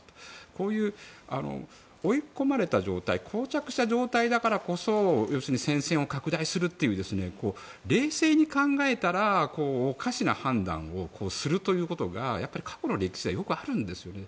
こういう追い込まれた状態こう着した状態だからこそ戦線を拡大するという冷静に考えたらおかしな判断をするということが過去の歴史ではよくあるんですよね。